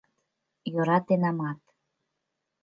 Йӧратенамат.